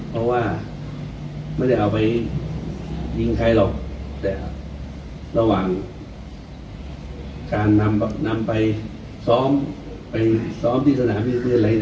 เพราะว่าไม่ได้เอาไปยิงใครหรอกแต่ระหว่างการนำไปซ้อมที่สนามที่ไหน